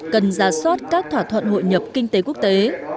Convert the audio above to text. cần ra soát các thỏa thuận hội nhập kinh tế quốc tế